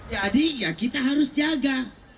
jadi ya kita harus jaga